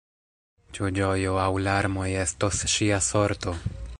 Ĉu ĝojo aŭ larmoj estos ŝia sorto?